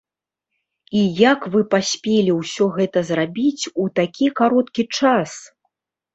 І як вы паспелі ўсё гэта зрабіць у такі кароткі час?